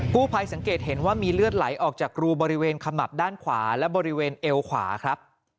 ผู้ภัยสังเกตเห็นว่ามีเลือดไหลออกจากรูบริเวณขมับด้านขวาและบริเวณเอวขวาครับ